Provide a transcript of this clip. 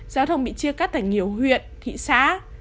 giao thông bị chia cắt tại nhiều huyện thị xã